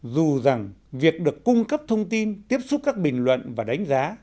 dù rằng việc được cung cấp thông tin tiếp xúc các bình luận và đánh giá